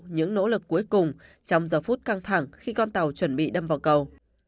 những nỗ lực cuối cùng trong giờ phút căng thẳng khi con tàu chuẩn bị đâm vào cầu